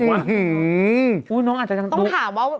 อื้อหื้อน้องต้องถามว่า